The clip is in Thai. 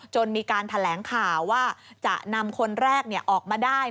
มีการแถลงข่าวว่าจะนำคนแรกออกมาได้